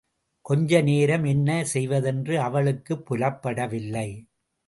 கொஞ்ச நேரம் என்ன செய்வதென்றே அவளுக்குப் புலப்படவில்லை.